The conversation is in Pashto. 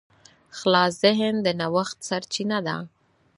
خلاص ذهن د نوښت سرچینه ده.